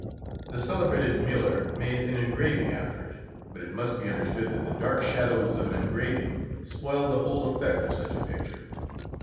The celebrated Müller made an engraving after it, but it must be understood that the dark shadows of an engraving spoiled the whole effect of such a picture.